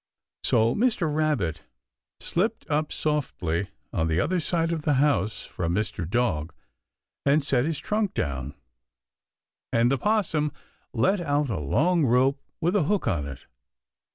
So Mr. Rabbit slipped up softly on the other side of the house from Mr. Dog and set his trunk down, and the 'Possum let out a long rope with a hook on it.